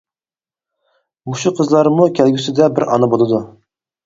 مۇشۇ قىزلارمۇ كەلگۈسىدە بىر ئانا بولىدۇ.